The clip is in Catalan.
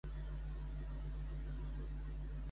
Howie, els estrògens han estat absorbits per la teva pell.